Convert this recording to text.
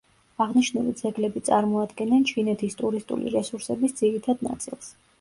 აღნიშნული ძეგლები წარმოადგენენ ჩინეთის ტურისტული რესურსების ძირითად ნაწილს.